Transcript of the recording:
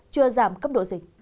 chưa giảm cấp độ dịch